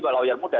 pak lawyer muda